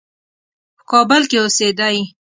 په کابل کې اوسېدی.